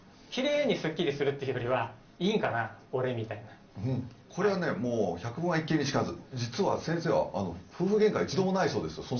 きれいにスッキリするっていうよりは「いいんかな？俺」みたいなこれはねもう百聞は一見にしかず実は先生は夫婦ゲンカ一度もないそうです